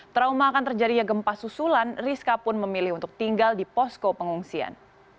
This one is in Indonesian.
trauma akan terjadinya gempa susulan rizka pun memilih untuk tinggal di posko pengungsian